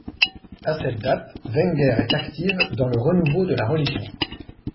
À cette date Wenger est active dans le renouveau de la religion.